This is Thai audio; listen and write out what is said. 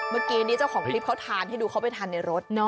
เมื่อกี้นี้เจ้าของคลิปเขาทานให้ดูเขาไปทานในรถ